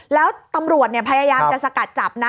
แล้วตำรวจพยายามจะสกัดจับนะ